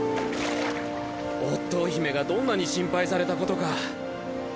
オットー姫がどんなに心配されたことか。